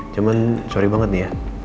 cuman sorry banget nih ya